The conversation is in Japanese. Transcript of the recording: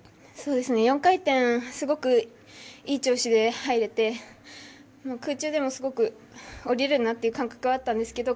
４回転すごくいい調子で入れて空中でもすごく降りれるなっていう感覚があったんですけど